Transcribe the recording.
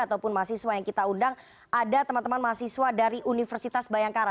ataupun mahasiswa yang kita undang ada teman teman mahasiswa dari universitas bayangkara